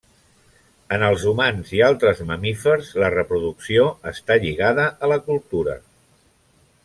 En els humans i altres mamífers la reproducció està lligada a la cultura.